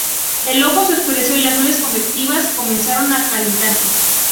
El ojo se oscureció y las nubes convectivas comenzaron a calentarse.